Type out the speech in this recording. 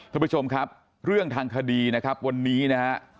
ท่านผู้ชมครับเรื่องทางคดีนะครับวันนี้นะฮะ